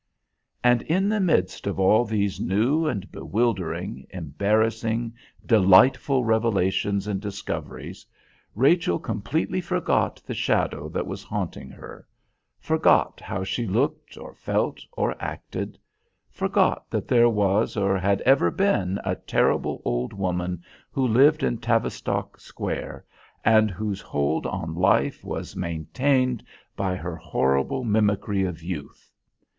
And in the midst of all these new and bewildering, embarrassing, delightful revelations and discoveries, Rachel completely forgot the shadow that was haunting her, forgot how she looked or felt or acted, forgot that there was or had ever been a terrible old woman who lived in Tavistock Square and whose hold on life was maintained by her horrible mimicry of youth.